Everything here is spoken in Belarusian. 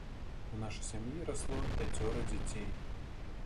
У нашай сям'і расло пяцёра дзяцей.